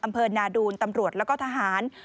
อำเภอนาดูนตำรวจแล้วก็ทหาร